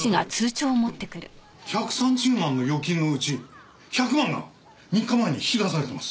１３０万の預金のうち１００万が３日前に引き出されてます。